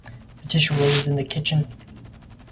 The tissue roll is in the kitchen.